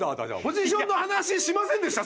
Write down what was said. ポジションの話しませんでした？